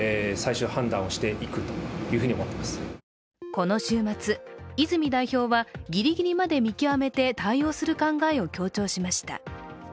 この週末、泉代表はギリギリまで見極めて対応する考えを強調しました。